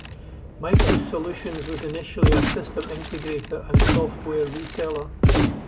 MicroSolutions was initially a system integrator and software reseller.